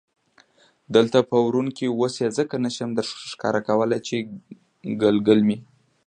دلته په ورون کې، اوس یې ځکه نه شم درښکاره کولای چې ګلګل مې.